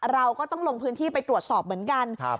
เราก็ต้องลงพื้นที่ไปตรวจสอบเหมือนกัน